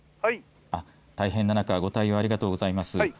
大変な中ご対応ありがとうございます。